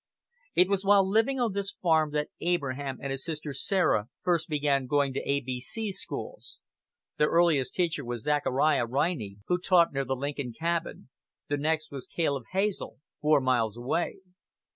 It was while living on this farm that Abraham and his sister Sarah first began going to A B C schools. Their earliest teacher was Zachariah Riney, who taught near the Lincoln cabin; the next was Caleb Hazel, four miles away.